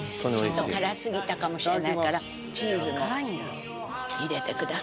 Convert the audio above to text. ちょっと辛すぎたかもしれないからチーズも入れてください。